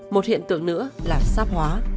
một hiện tượng nữa là sáp hóa